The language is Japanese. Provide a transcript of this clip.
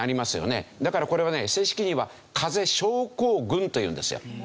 だからこれはね正式には風邪症候群というんですよ。